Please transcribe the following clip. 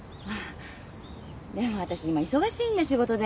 でも私今忙しいんだ仕事で。